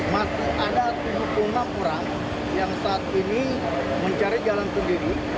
masih ada tujuh puluh enam orang yang saat ini mencari jalan sendiri